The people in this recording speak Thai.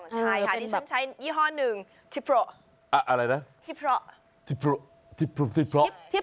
ใช่ค่ะดิฉันใช้ยี่ห้อหนึ่งทิพเตอร์